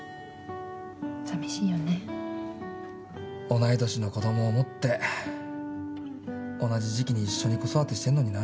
同い年の子供を持って同じ時期に一緒に子育てしてんのにな。